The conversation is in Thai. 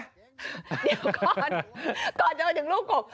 เดี๋ยวก่อนก่อนจะมาถึงลูกกบ